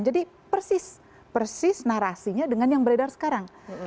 jadi persis persis narasinya dengan yang beredar sekarang